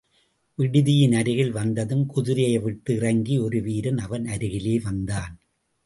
விடுதியின் அருகில் வந்ததும் குதிரையைவிட்டு இறங்கி, ஒரு வீரன் அவன் அருகிலே வந்தான்.